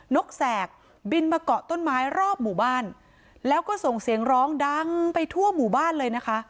กแสกบินมาเกาะต้นไม้รอบหมู่บ้านแล้วก็ส่งเสียงร้องดังไปทั่วหมู่บ้านเลยนะคะ